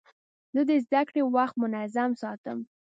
زه د زدهکړې وخت منظم ساتم.